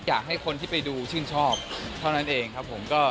อยากให้คนที่ไปดูชื่นชอบเท่านั้นเองครับผม